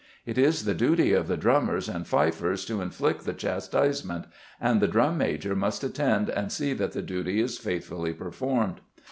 It is the duty of the drummers and fifers to inflict the chastisement, and the drum major must attend and see that the duty is faithfully performed.